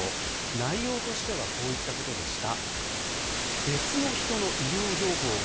内容としてはこういったことでした。